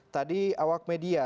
tadi awak media